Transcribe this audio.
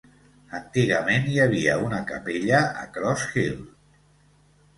Antigament hi havia una capella a Cross Hill.